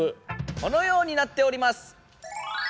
このようになっております！